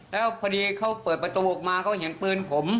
แล้วพอดีเขาเปิดประตูออกมาเขาเห็นปืนผม